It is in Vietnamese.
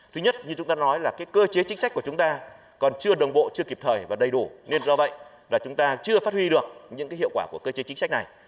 thứ nhất như chúng ta nói là cơ chế chính sách của chúng ta còn chưa đồng bộ chưa kịp thời và đầy đủ nên do vậy là chúng ta chưa phát huy được những hiệu quả của cơ chế chính sách này